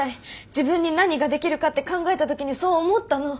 自分に何ができるかって考えた時にそう思ったの。